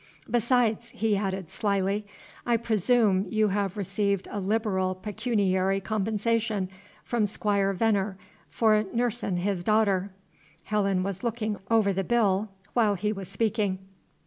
"Besides," he added, slyly, "I presoom you have received a liberal pecooniary compensation from Squire Venner for nussin' his daughter." Helen was looking over the bill while he was speaking.